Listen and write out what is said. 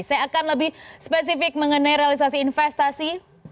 saya akan lebih spesifik mengenai realisasi investasi